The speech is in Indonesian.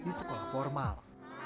di sekolah formal